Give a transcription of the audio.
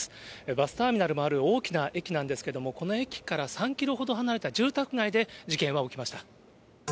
バスターミナルもある大きな駅なんですけども、この駅から３キロほど離れた住宅街で事件は起きました。